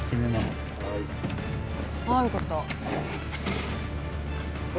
ああよかった。